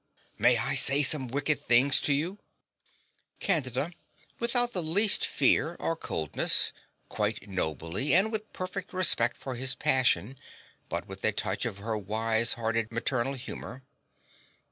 May I say some wicked things to you? CANDIDA (without the least fear or coldness, quite nobly, and with perfect respect for his passion, but with a touch of her wise hearted maternal humor).